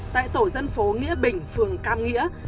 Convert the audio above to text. tại tổ dân phố nghĩa bình phường cam nghĩa